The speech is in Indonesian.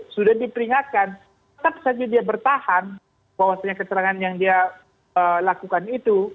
sudah diperingatkan tetap saja dia bertahan bahwa keterangan yang dia lakukan itu